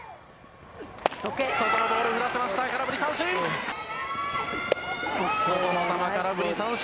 外のボール振らせました、空振り三振。